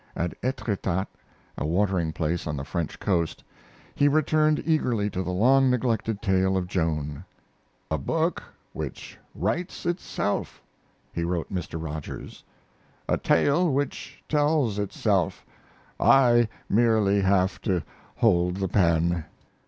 At Etretat, a watering place on the French coast, he returned eagerly to the long neglected tale of Joan "a book which writes itself," he wrote Mr. Rogers" a tale which tells itself; I merely have to hold the pen."